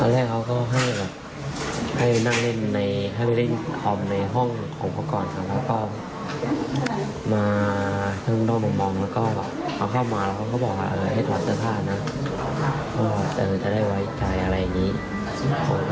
เริ่มออกมาโดยทางเลยอืมเขากินหยอกไว้ตอนนั้นหรือถัดคืนไหม